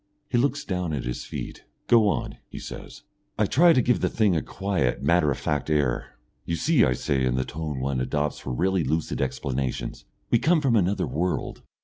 He looks down at his feet. "Go on," he says. I try to give the thing a quiet, matter of fact air. "You see," I say, in the tone one adopts for really lucid explanations, "we come from another world.